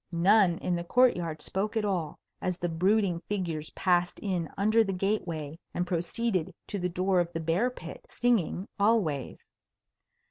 None in the court yard spoke at all, as the brooding figures passed in under the gateway and proceeded to the door of the bear pit, singing always.